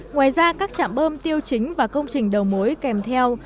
ngoài ra các trạm bơm tiêu chính và công trình đầu mối kèm theo